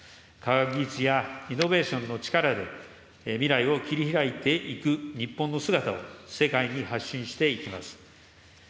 科学技術やイノベーションの力で、未来を切りひらいていく日本の姿を世界に発信していきます。